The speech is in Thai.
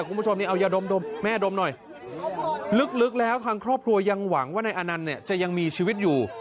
คุณผู้ชมนี่เอายาดมแม่ดมหน่อยลึกแล้วทางครอบครัวยังหวังว่านายอานันต์เนี่ยจะยังมีชีวิตอยู่